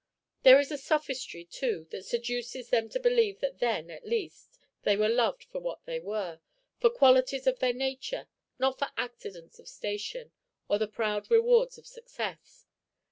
There is a sophistry, too, that seduces them to believe that then, at least, they were loved for what they were, for qualities of their nature, not for accidents of station, or the proud rewards of success.